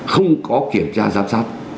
không có kiểm tra giám sát